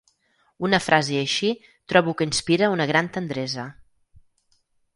Una frase així trobo que inspira una gran tendresa.